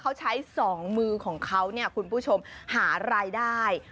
เขาใช้สองมือของเขาเนี่ยคุณผู้ชมหารายได้